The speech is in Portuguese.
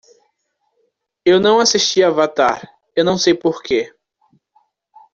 Eu não assisti Avatar, eu não sei porque.